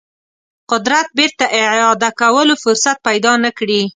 قدرت بیرته اعاده کولو فرصت پیدا نه کړي.